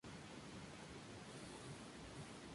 Cuidado con ese libro viejo que lo vas a descuajeringar